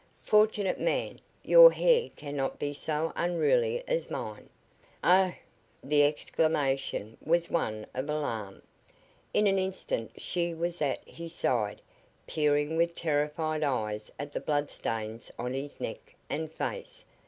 Fortunate man, your hair cannot be so unruly as mine. Oh!" The exclamation was one of alarm. In an instant she was at his side, peering with terrified eyes at the bloodstains on his neck and face.